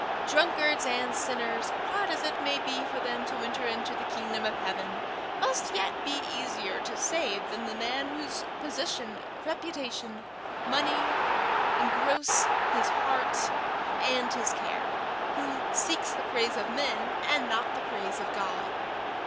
Drunkards and sinners, hard as it may be for them to enter into the kingdom of heaven, must yet be easier to save than the man whose position, reputation, money, engross his heart and his care, who seeks the praise of men and not the praise of God.